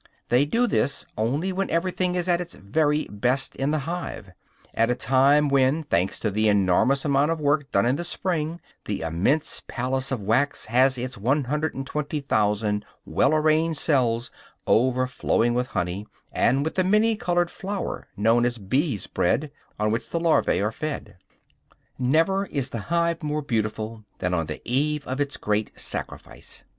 They do this only when everything is at its very best in the hive; at a time when, thanks to the enormous amount of work done in the spring, the immense palace of wax has its 120,000 well arranged cells overflowing with honey and with the many colored flour, known as "bees' bread," on which the larvæ are fed. Never is the hive more beautiful than on the eve of its great sacrifice.